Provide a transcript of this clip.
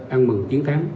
an mừng chiến thắng